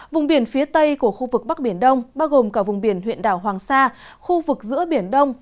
vùng biển phía tây của khu vực bắc biển đông bao gồm cả vùng biển huyện đảo hoàng sa khu vực giữa biển đông